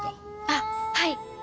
あっはい。